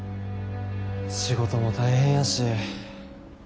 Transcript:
仕事も大変やし。